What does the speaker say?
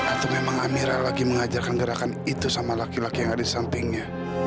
atau memang amira lagi mengajarkan gerakan itu sama laki laki yang ada di sampingnya